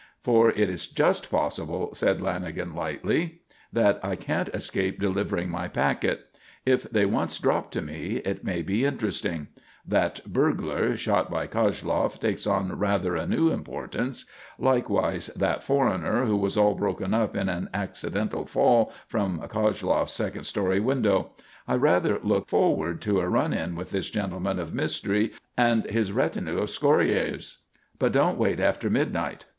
"For it's just possible," said Lanagan lightly, "that I can't escape delivering my packet. If they once drop to me, it may be interesting. That 'burglar' shot by Koshloff takes on rather a new importance. Likewise that foreigner, who was all broken up in an accidental fall from Koshloff's second story window. I rather look forward to a run in with this gentleman of mystery and his retinue of 'scorayers.' But don't wait after midnight.